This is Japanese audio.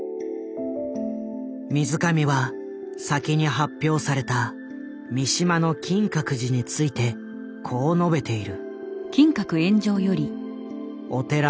水上は先に発表された三島の「金閣寺」についてこう述べている。